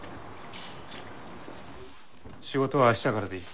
仕事は明日からでいい。